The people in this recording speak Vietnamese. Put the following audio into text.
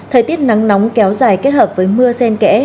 thời tiết nắng nóng kéo dài kết hợp với mưa sen kẽ